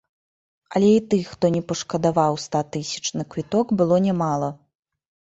Але і тых, хто не пашкадаваў ста тысяч на квіток, было нямала.